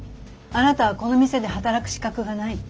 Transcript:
あなたはこの店で働く資格がない。